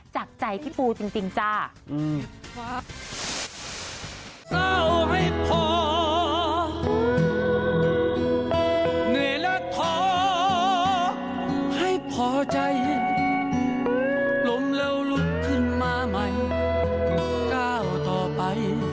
จากใจพี่ปูจริงจ้า